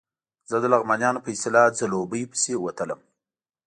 زه د لغمانیانو په اصطلاح ځلوبیو پسې وتلم.